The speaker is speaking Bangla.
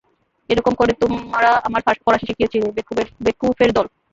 এইরকম করে তোমরা আমায় ফরাসী শিখিয়েছিলে, বেকুফের দল।